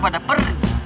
aku udah ber